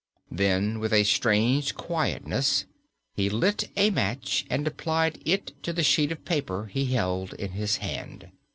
Then, with a strange quietness, he lit a match and applied it to the sheet of paper he held in his hand.